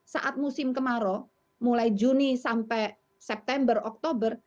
saat musim kemarau mulai juni sampai september oktober